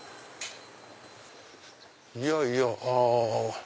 いやいやあ。